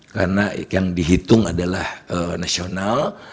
karena yang dihitung adalah nasional